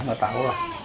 nggak tahu lah